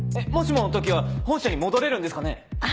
もしもの時は本社に戻れるんですかね？